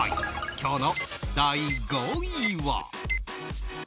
今日の第５位は。